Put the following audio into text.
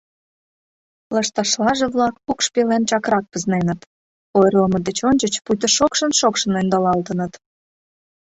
Лышташлаже-влак укш пелен чакрак пызненыт, ойырлымо деч ончыч пуйто шокшын-шокшын ӧндалалтыныт.